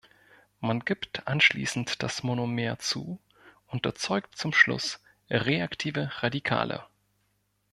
Man gibt anschließend das Monomer zu und erzeugt zum Schluss reaktive Radikale.